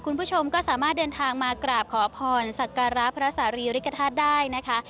คุณผู้ชมก็สามารถเดินทางมากราบขอพรสักการะพระสารีริกฐาตุได้นะคะ